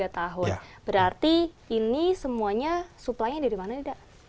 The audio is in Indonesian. dua puluh tiga tahun berarti ini semuanya suplainya dari mana duda